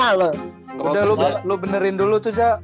udah lu benerin dulu tuh jack